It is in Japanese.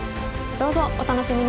どうぞお楽しみに！